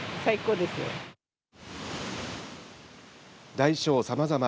大小さまざま